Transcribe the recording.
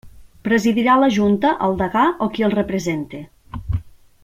Presidirà la Junta el degà o qui el represente.